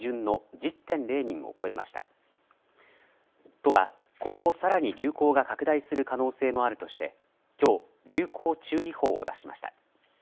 都は今後さらに流行が拡大する可能性もあるとしてきょう流行注意報を出しました。